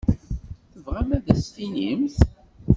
Tebɣamt ad as-tinimt?